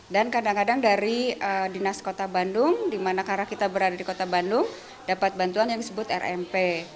dan kadang kadang dari dinas kota bandung di mana karena kita berada di kota bandung dapat bantuan yang disebut rmp